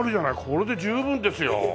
これで十分ですよ。